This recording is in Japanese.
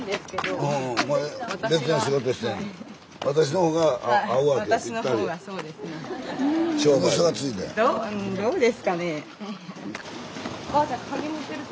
私の方がそうですね。